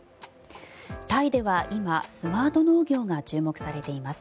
タイでは今、スマート農業が注目されています。